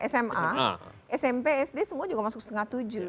sma smp sd semua juga masuk setengah tujuh